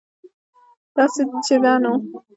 داسې چې ده نو